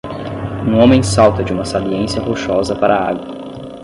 Um homem salta de uma saliência rochosa para a água.